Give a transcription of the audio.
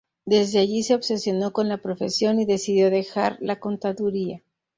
Desde allí se obsesionó por la profesión y decidió dejar la Contaduría.